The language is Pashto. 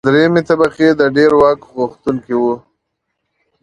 درېیمې طبقې د ډېر واک غوښتونکي وو.